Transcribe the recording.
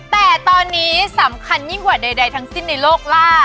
แต่ตอนนี้สำคัญยิ่งกว่าใดทั้งสิ้นในโลกล่า